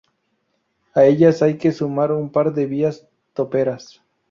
A ellas hay que sumar un par de vías toperas.